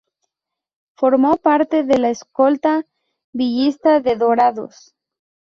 Formó parte de la escolta villista de ""Dorados"".